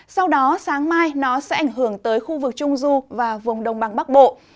sau đó sáng mai nó sẽ ảnh hưởng tới khu vực trung du và vùng đồng bằng bắc bộ